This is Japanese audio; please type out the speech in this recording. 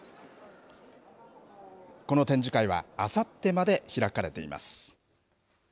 この展示会はあさってまで開かれています。